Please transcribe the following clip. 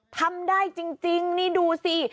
ทำได้จริงนี่ดูสิ